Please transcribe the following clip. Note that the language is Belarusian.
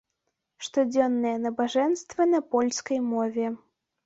Штодзённыя набажэнствы на польскай мове.